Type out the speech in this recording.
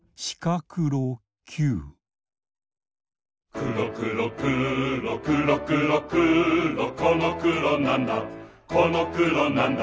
くろくろくろくろくろくろこのくろなんだこのくろなんだ